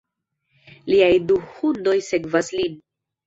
Liaj du hundoj sekvas lin.